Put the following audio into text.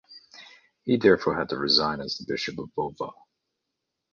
He therefore had to resign as bishop of Bova.